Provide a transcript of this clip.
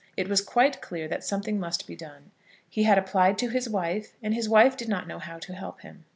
It was quite clear that something must be done. He had applied to his wife, and his wife did not know how to help him.